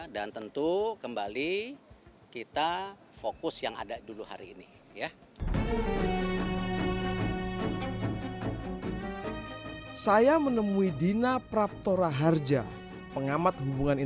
dan tentu kembali kita fokus yang ada dulu hari ini